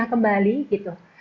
dia kembali gitu